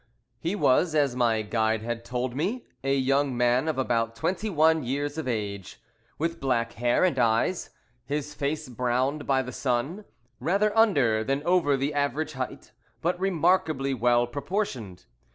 HE was, as my guide had told me, a young man of about twenty one years of age, with black hair and eyes, his face browned by the sun, rather under than over the average height, but remarkably well proportioned.